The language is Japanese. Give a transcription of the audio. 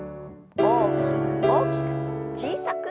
大きく大きく小さく。